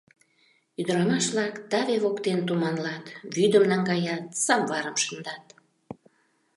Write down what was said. Ӱдырамаш-влак таве воктен туманлат, вӱдым наҥгаят, самварым шындат.